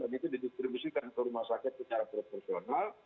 dan itu didistribusikan ke rumah sakit secara proporsional